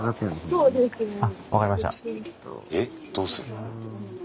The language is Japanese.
えっどうする？